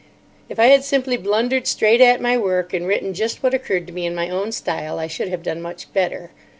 If I had simply blundered straight at my work and written just what occurred to me in my own style, I should have done much better.